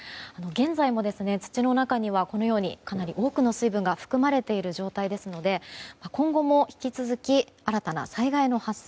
現在も、土の中にはかなり多くの水分が含まれている状態ですので今後も引き続き新たな災害の発生